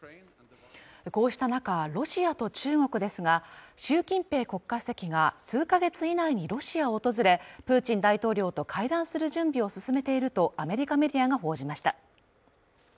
こうした中、ロシアと中国ですが、習近平国家主席が数か月以内にロシアを訪れ、プーチン大統領と会談する準備を進めているとアメリカメディアが報じました。